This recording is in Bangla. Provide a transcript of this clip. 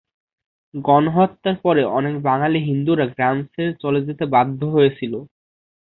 গণহত্যার পরে অনেক বাঙালি হিন্দুরা গ্রাম ছেড়ে চলে যেতে বাধ্য হয়েছিল।